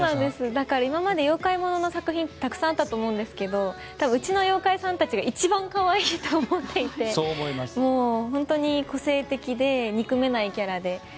今まで、妖怪ものの作品たくさんあったと思うんですがうちの妖怪さんたちが一番可愛いと思っていて本当に個性的で憎めないキャラで。